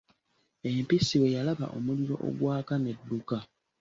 Empisi bwe yalaba omuliro ogwaka n'edduka.